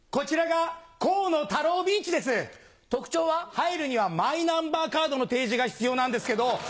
入るにはマイナンバーカードの提示が必要なんですけど